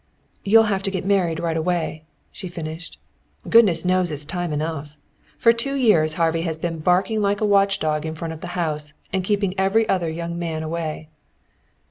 "You'll have to get married right away," she finished. "Goodness knows it's time enough! For two years Harvey has been barking like a watchdog in front of the house and keeping every other young man away."